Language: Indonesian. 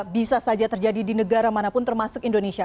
bisa saja terjadi di negara manapun termasuk indonesia